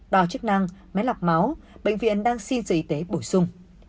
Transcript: đo chức năng máy lọc máu bệnh viện đang xin sự y tế bổ sung